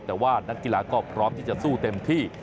แต่ว่านักกีฬาก็พร้อมที่จะสู้เต็มที่